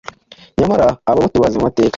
Nyamara aba bo tubazi mu mateka